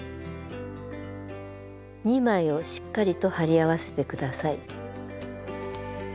２枚をしっかりと貼り合わせて下さい。